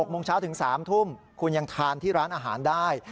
โมงเช้าถึง๓ทุ่มคุณยังทานที่ร้านอาหารได้